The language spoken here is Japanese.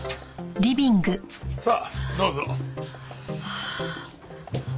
さあどうぞ。